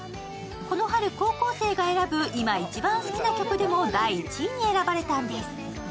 この春、高校生が選ぶ今一番好きな曲でも第１位に選ばれたんです。